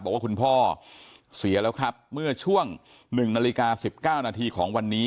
บอกว่าคุณพ่อเสียแล้วครับเมื่อช่วง๑นาฬิกา๑๙นาทีของวันนี้